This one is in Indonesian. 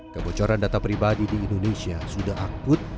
kebocoran data pribadi di indonesia sudah akut